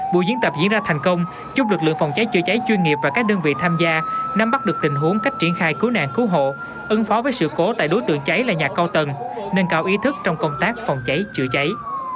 buổi diễn tập diễn ra thành công giúp lực lượng phòng cháy chữa cháy chuyên nghiệp và các đơn vị tham gia nắm bắt được tình huống cách triển khai cứu nạn cứu hộ ứng phó với sự cố tại đối tượng cháy là nhà cao tầng nâng cao ý thức trong công tác phòng cháy chữa cháy